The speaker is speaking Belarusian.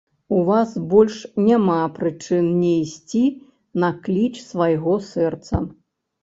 У вас больш няма прычын не ісці на кліч свайго сэрца.